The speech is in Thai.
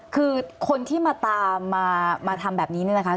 คือคนที่มาตามมาทำแบบนี้เนี่ยนะคะ